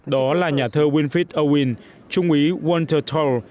đó là nhà thơ winfrey owen trung úy walter toll